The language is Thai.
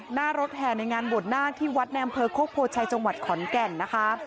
หน้ารถแห่ในงานบวชนาคที่วัดในอำเภอโคกโพชัยจังหวัดขอนแก่นนะคะ